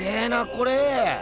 これ。